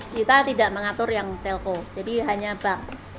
kita tidak mengatur yang telko jadi hanya bank